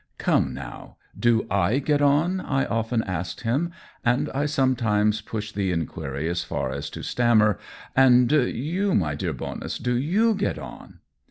" Come, now, do / get on ?" I often ask him ; and I sometimes push the inquiry so far as to stammer, " And you, my dear Bonus, do you get on